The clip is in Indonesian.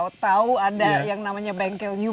kita harus mengubah coe